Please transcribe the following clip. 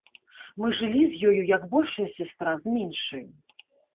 Мы жылі з ёю як большая сястра з меншаю.